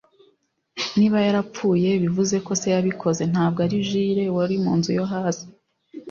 Niba yarapfuye, bivuze ko se yabikoze, ntabwo ari Jule, wari mu nzu yo hasi.